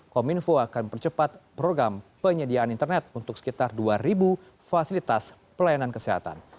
kominfo akan percepat program penyediaan internet untuk sekitar dua fasilitas pelayanan kesehatan